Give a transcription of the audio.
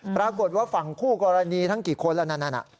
ปรากฏว่าฝั่งคู่กรณีทั้งกี่คนแล้วนั่น